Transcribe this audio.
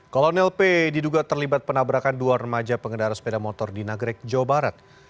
kolonel p diduga terlibat penabrakan dua remaja pengendara sepeda motor di nagrek jawa barat